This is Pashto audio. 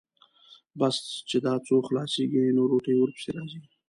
بس چې دا څو خلاصېږي، نو روټۍ ورپسې راځي.